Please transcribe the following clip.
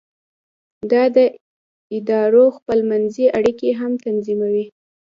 دا د ادارو خپل منځي اړیکې هم تنظیموي.